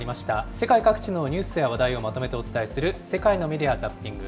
世界各地のニュースや話題をまとめてお伝えする世界のメディア・ザッピング。